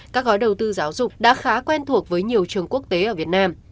các gói đầu tư giáo dục đã khá quen thuộc với nhiều trường quốc tế ở việt nam